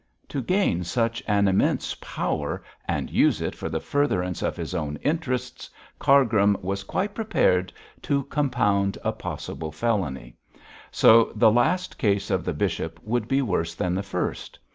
To gain such an immense power, and use it for the furtherance of his own interests, Cargrim was quite prepared to compound a possible felony; so the last case of the bishop would be worse than the first.